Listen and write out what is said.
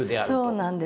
そうなんです。